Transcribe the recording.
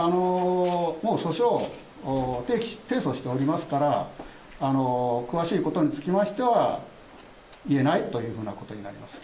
もう、訴訟を提訴しておりますから、詳しいことにつきましては言えないというふうなことになります。